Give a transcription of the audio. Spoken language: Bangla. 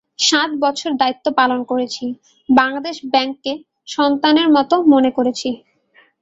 সাত বছর দায়িত্ব পালন করেছি, বাংলাদেশ ব্যাংককে সন্তানের মতো মনে করেছি।